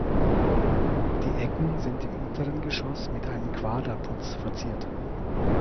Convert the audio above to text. Die Ecken sind im unteren Geschoss mit einem Quaderputz verziert.